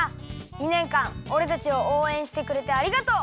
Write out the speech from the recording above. ２ねんかんおれたちをおうえんしてくれてありがとう！